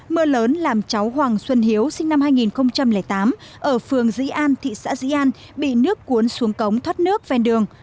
mưa lớn làm cháu hoàng xuân hiếu sinh năm hai nghìn tám ở phường dĩ an thị xã dĩ an bị nước cuốn xuống cống thoát nước ven đường